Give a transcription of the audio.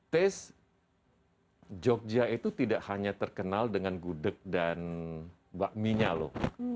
taste jogja itu tidak hanya terkenal dengan gudeg dan bakminya loh